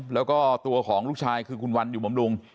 แล้วก็ตัวของลูกชายคือคุณวันอยู่บำรุง